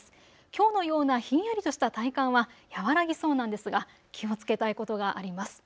きょうのようなひんやりとした体感は和らぎそうなんですが気をつけたいことがあります。